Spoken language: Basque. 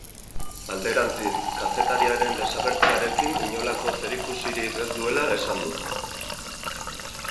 Alderantziz, kazetariaren desagertzearekin inolako zerikusirik ez duela esan du.